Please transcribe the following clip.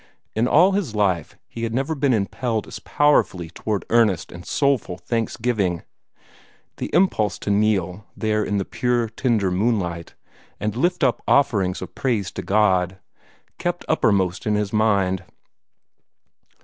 In all his life, he had never been impelled as powerfully toward earnest and soulful thanksgiving. The impulse to kneel, there in the pure, tender moonlight, and lift up offerings of praise to God, kept uppermost in his mind.